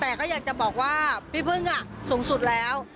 แต่ก็อยากจะบอกว่าพี่พึ่งสูงสุดแล้ว